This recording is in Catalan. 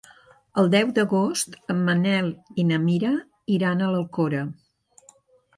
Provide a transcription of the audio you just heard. El deu d'agost en Manel i na Mira iran a l'Alcora.